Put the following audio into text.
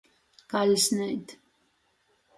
Kaļksneit.